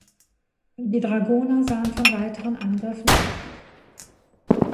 Die Dragoner sahen von weiteren Angriffen ab.